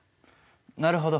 なるほど。